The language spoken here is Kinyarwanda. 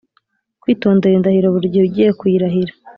Kwitondera indahiro burigihe ugiye kuyirahira